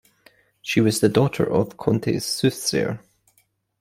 She was the daughter of Conte's soothsayer.